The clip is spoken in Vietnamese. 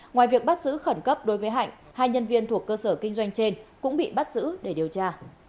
ngoài việc bắt giữ khẩn cấp đối với hạnh hai nhân viên thuộc cơ sở kinh doanh trên cũng bị bắt giữ để điều tra